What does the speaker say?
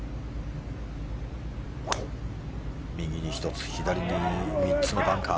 右に１つ左に３つのバンカー。